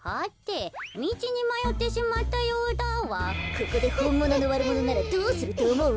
ここでほんもののわるものならどうするとおもう？